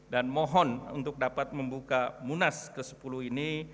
dan mohon untuk dapat membuka munas ke sepuluh ini